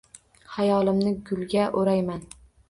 Xayolimni gulga o’rayman;